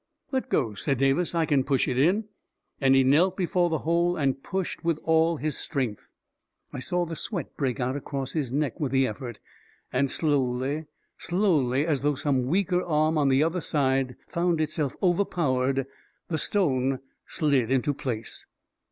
" Let go," said Davis ;" I can push it in," and he knelt before the hole and pushed with all his strength. A KING IN BABYLON 349 I saw the sweat break out across his neck with the effort ; and slowly, slowly, as though some weaker arm on the other side found itself overpowered, the stone slid into place.